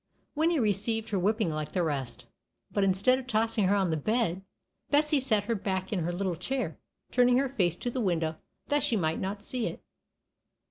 Winnie received her whipping like the rest; but instead of tossing her on the bed, Bessie set her back in her little chair, turning her face to the window that she might not see it.